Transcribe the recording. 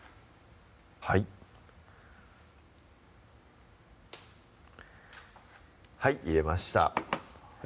はいはい入れました